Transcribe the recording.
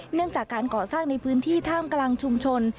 เนื่องจากการก่อสร้างในพื้นที่ท่ามกลางชุมชน